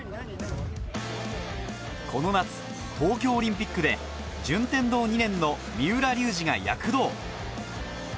この夏、東京オリンピックで順天堂２年の三浦龍司が躍動。